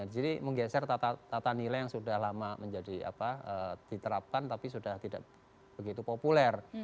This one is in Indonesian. jadi menggeser tata nilai yang sudah lama diterapkan tapi sudah tidak begitu populer